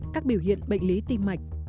các biểu hiện bệnh lý tim mạch